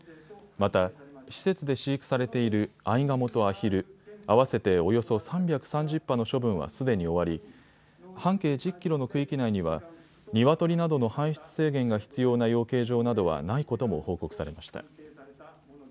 また、施設で飼育されているアイガモとアヒル、合わせておよそ３３０羽の処分はすでに終わり半径１０キロの区域内にはニワトリなどの搬出制限が必要な養鶏場などはないことも報告されました。